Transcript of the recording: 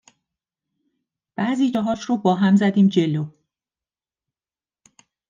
بعضی جاهاش رو هم با هم زدیم جلو